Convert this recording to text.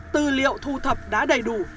từ liệu thu thập đã đầy đủ